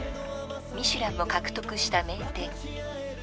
［『ミシュラン』を獲得した名店］